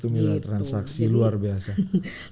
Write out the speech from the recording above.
satu nilai transaksi luar biasa